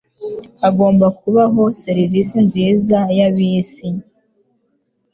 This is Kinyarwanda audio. Hagomba kubaho serivisi nziza ya bisi.